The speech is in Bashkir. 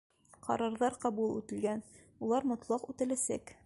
Ҡарарҙар ҡабул ителгән, улар мотлаҡ үтәләсәк.